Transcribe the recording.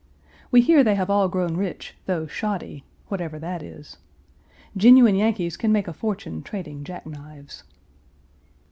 We hear they have all grown rich, through "shoddy," whatever that is. Genuine Yankees can make a fortune trading jack knives.